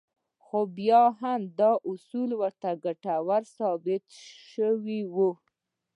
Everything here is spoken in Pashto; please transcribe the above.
خو بيا هم دا اصول ورته ګټور ثابت شوي وو.